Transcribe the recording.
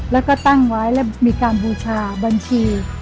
แล้วก็ตั้งไว้แล้วมีการบูชาบัญชี